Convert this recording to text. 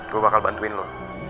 gue bakal bantuin lo